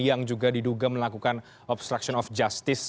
yang juga diduga melakukan obstruction of justice